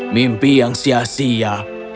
mimpi yang sia sia